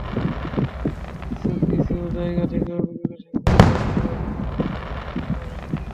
কিন্তু কিছু কিছু জায়গা থেকে অভিযোগ এসেছে, প্রার্থীরা মনোনয়নপত্র জমা দিতে পারেননি।